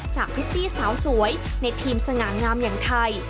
จากพิธีสาวสวยในทีมสง่างงามอย่างไทย